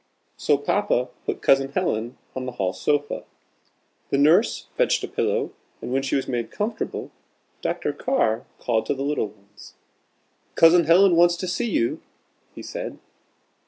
So Papa put Cousin Helen on the hall sofa. The nurse fetched a pillow, and when she was made comfortable, Dr. Carr called to the little ones. "Cousin Helen wants to see you," he said.